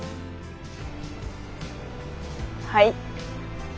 はい。